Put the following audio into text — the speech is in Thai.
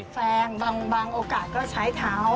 แฟนบางโอกาสก็ใช้เท้า